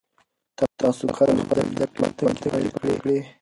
تاسو کله خپلې زده کړې په پوهنتون کې پیل کړې؟